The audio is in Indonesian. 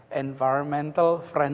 sistem yang lebih terbaik